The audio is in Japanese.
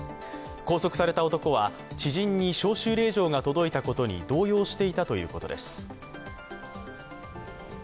拘束された男は、知人に招集令状が届いたことに動揺していたということです。